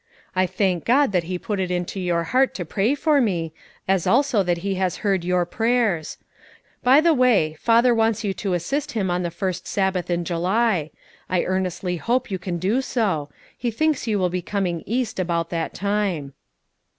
"I thank God that He put it into your heart to pray for me, as also that He has heard your prayers. God bless you. By the way, father wants you to assist him on the first Sabbath in July. I earnestly hope you can do so; he thinks you will be coming east about that time."